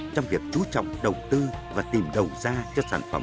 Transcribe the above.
trong việc chú trọng đầu tư và tìm đầu ra cho sản phẩm quế trả my